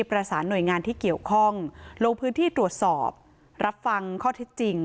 ประสานหน่วยงานที่เกี่ยวข้องลงพื้นที่ตรวจสอบรับฟังข้อเท็จจริง